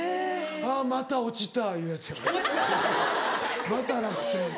「また落ちた」いうやつや「また落選」。